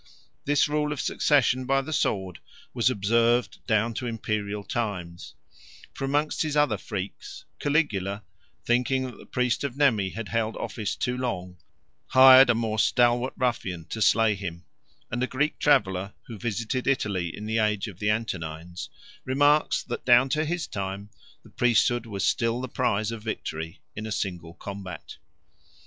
This rule of succession by the sword was observed down to imperial times; for amongst his other freaks Caligula, thinking that the priest of Nemi had held office too long, hired a more stalwart ruffian to slay him; and a Greek traveller, who visited Italy in the age of the Antonines, remarks that down to his time the priesthood was still the prize of victory in a single combat.